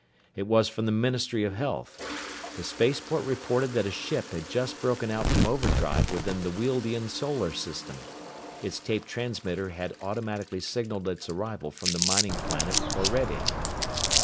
It was from the Ministry of Health. The spaceport reported that a ship had just broken out from overdrive within the Wealdian solar system. Its tape transmitter had automatically signaled its arrival from the mining planet Orede.